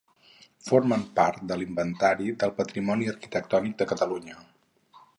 Formen part de l'Inventari del Patrimoni Arquitectònic de Catalunya.